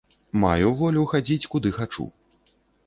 Маю волю хадзіць, куды хачу.